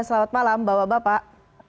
selamat malam bapak bapak